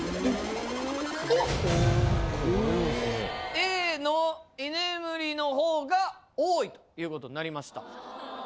Ａの居眠りの方が多いということになりました。